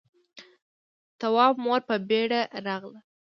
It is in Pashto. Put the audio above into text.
تواب مور په بيړه راغله.